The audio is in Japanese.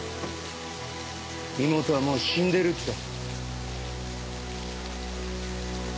妹はもう死んでるって。